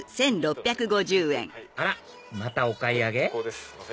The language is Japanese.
あらまたお買い上げ残高